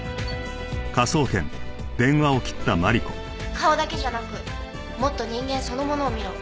「顔だけじゃなくもっと人間そのものを見ろ」。